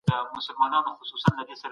یو سوداګر په سفر کې دی.